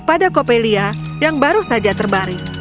pada copelia yang baru saja terbaring